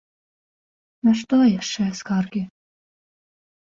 На што яшчэ скаргі?